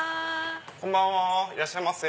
こんばんはいらっしゃいませ。